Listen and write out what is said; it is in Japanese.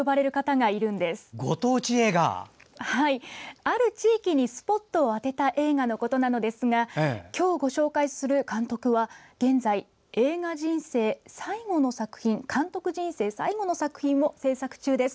はい、ある地域にスポットを当てた映画のことなのですが今日ご紹介する監督は現在、映画人生最後の作品を制作中です。